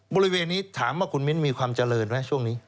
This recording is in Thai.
บริเวณนี้ถามว่าคุณมิ้นมีความเจริญไหมช่วงนี้